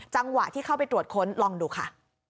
จังหวะที่เข้าไปตรวจค้นลองดูค่ะ